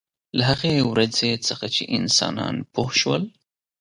له هغې ورځې څخه چې انسانان پوه شول.